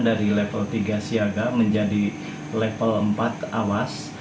dari level tiga siaga menjadi level empat awas